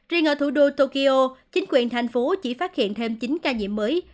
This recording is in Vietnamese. riêng ở thủ đô tokyo chính quyền thành phố chỉ phát hiện thêm chín ca nhiễm mới